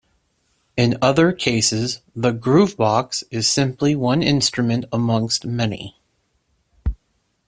In other cases, the groovebox is simply one instrument amongst many.